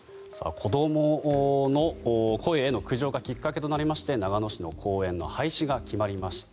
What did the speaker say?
子どもの声への苦情がきっかけとなりまして長野市の公園の廃止が決まりました。